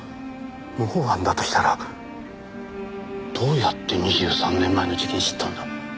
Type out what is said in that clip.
模倣犯だとしたらどうやって２３年前の事件知ったんだ？